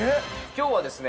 今日はですね